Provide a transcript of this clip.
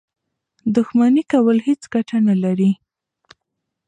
دښمني کول هېڅ ګټه نه لري.